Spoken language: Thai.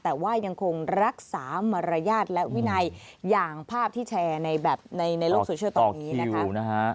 แต่ว่ายังคงรักษามารยาทและวินัยอย่างภาพที่แชร์ในแบบในโลกโซเชียลตอนนี้นะคะ